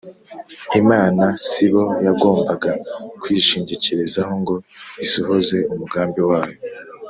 . Imana sibo yagombaga kwishingikirizaho ngo isohoze umugambi wayo.